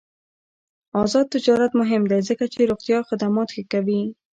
آزاد تجارت مهم دی ځکه چې روغتیا خدمات ښه کوي.